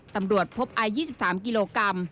ตำรวจพบไอ๒๓กิโลกรัม